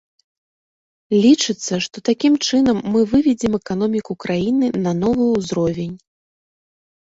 Лічыцца, што такім чынам мы выведзем эканоміку краіны на новы ўзровень.